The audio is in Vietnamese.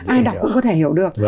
ai đọc cũng có thể hiểu được